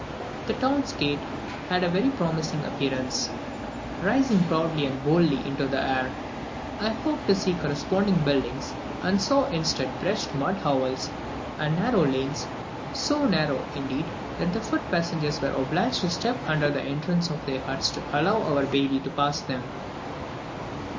The town gate had a very promising appearance, rising proudly and boldly into the air; I hoped to see corresponding buildings, and saw instead wretched mud hovels and narrow lanes; so narrow, indeed, that the foot passengers were obliged to step under the entrances of the huts to allow our baili to pass them.